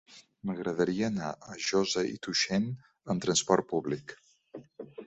M'agradaria anar a Josa i Tuixén amb trasport públic.